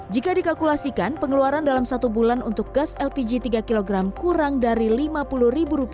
jika dikalkulasikan pengeluaran dalam satu bulan untuk gas lpg tiga kg kurang dari rp lima puluh